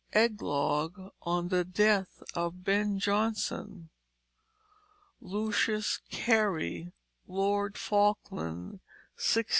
_ Eglogue on the Death of Ben Jonson, _Lucius Cary, Lord Falkland, 1637.